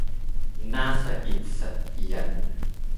น่าสะอิดสะเอียน